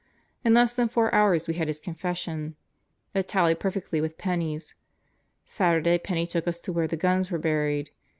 In less than four hours we had his confession. It tallied perfectly with Penney's. Saturday Penney took us to where the guns were buried.